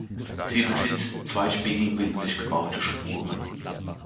Sie besitzt zwei spiegelbildlich gebaute Spuren.